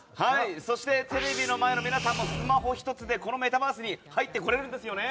そしてテレビの前の皆さんもスマホ１つでこのメタバースに入ってこれるんですよね。